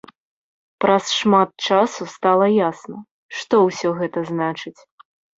Праз шмат часу стала ясна, што ўсё гэта значыць.